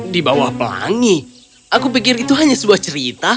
di bawah pelangi aku pikir itu hanya sebuah cerita